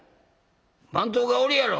番頭がおるやろ」。